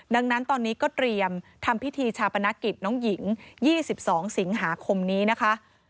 ดังนั้นตอนนี้ก็เตรียมทำพิธีชาปนกิจน้องหญิง๒๒สิงหาคมนี้นะคะ